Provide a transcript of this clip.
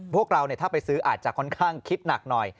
พวกเราถ้าไปซื้ออาจจะค่อนข้างคิดหนักหน่อย